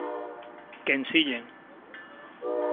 que ensillen .